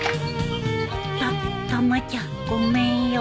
たったまちゃんごめんよ。